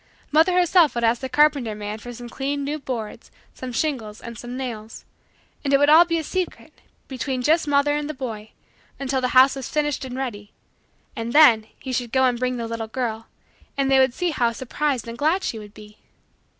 Mother herself would ask the carpenter man for some clean, new boards, some shingles and some nails. And it would all be a secret, between just mother and the boy, until the house was finished and ready and then he should go and bring the little girl and they would see how surprised and glad she would be.